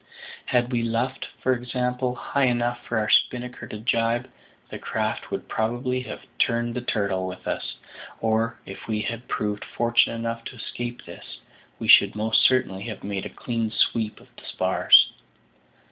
Had we luffed, for example, high enough for our spinnaker to jibe, the craft would probably have "turned the turtle" with us; or, if we had proved fortunate enough to escape this, we should most certainly have made a clean sweep of the spars.